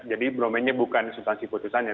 jadi beromainnya bukan sustansi keputusannya